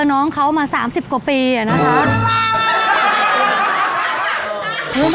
เจอน้องเขามาสามสิบกว่าปีนะครับหรืออย่างนั้น